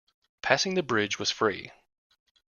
Passing the bridge was free.